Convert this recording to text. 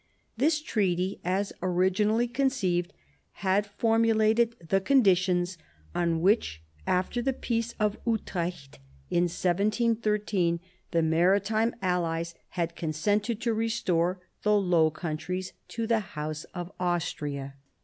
This treaty, as originally conceived, had formulated the conditions on which after the Peace of Utrecht (1713) the maritime allies had consented to restore the Low Countries to the House of Austria.